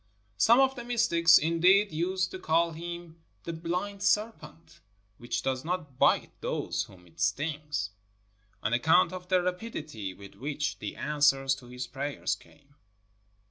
Some of the mystics, indeed, used to call him "the blind serpent" (which does not bite those whom it stings), on account of the rapidity with which the answers to his prayers came.